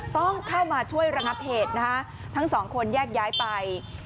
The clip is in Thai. ต้องเข้ามาช่วยระงับเหตุนะคะทั้งสองคนแยกย้ายไป